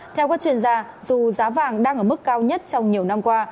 theo các chuyên gia dù giá vàng đang ở mức cao nhất trong nhiều năm qua